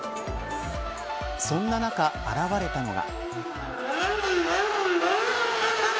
そんな中、現れたのが。